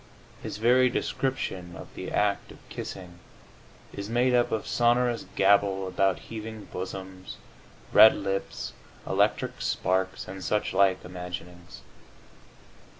His very description of the act of kissing is made up of sonorous gabble about heaving bosoms, red lips, electric sparks and such like imaginings.